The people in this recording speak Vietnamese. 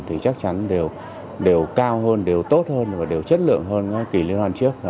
thì chắc chắn đều cao hơn đều tốt hơn và đều chất lượng hơn kỳ liên hoàn trước